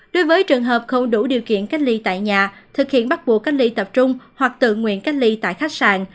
đối với trường hợp không đủ điều kiện cách ly tại nhà thực hiện bắt buộc cách ly tập trung hoặc tự nguyện cách ly tại khách sạn